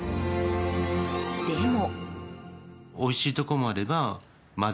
でも。